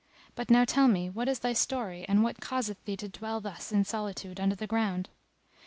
But now tell me, what is thy story and what causeth thee to dwell thus in solitude under the ground?"